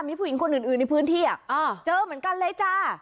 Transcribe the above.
มีผู้หญิงคนอื่นในพื้นที่เจอเหมือนกันเลยจ้า